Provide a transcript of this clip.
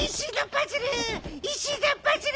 石のパズル！